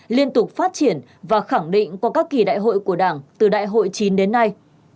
liên tục phát triển và khẳng định qua các kỳ đại hội của đảng từ đại hội chín đến nay